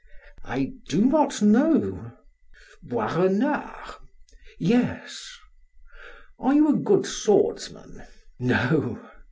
"I do not know." "Boisrenard?" "Yes." "Are you a good swordsman?" "No."